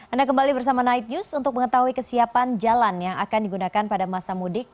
anda kembali bersama night news untuk mengetahui kesiapan jalan yang akan digunakan pada masa mudik